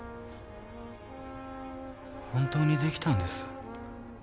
本当にできたんです。